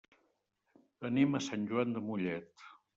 Anem a Sant Joan de Mollet.